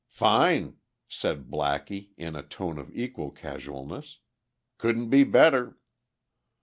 "Fine," said Blackie in a tone of equal casualness. "Couldn't be better."